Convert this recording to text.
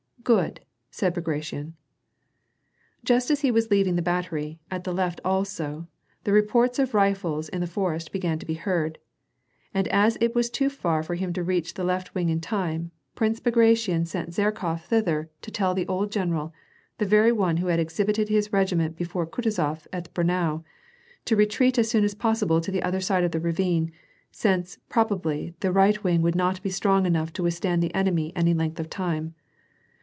^Good," said Bagration. Jost as he was leaving the battery, at the left also, the reports of rifles in the forest began to be heard, and as it was too far for him to reach the left wing in time, Prince Bagration sent Zherkof thither to tell the old general — the very one who had exhibited his regiment before Kutuzof at Braunau — to retreat as soon as possible to the other side of the ravine ; aince, probably, the right wing would not be strong enough to withstand the enemy any length of time.